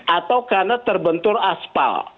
atau karena terbentur aspal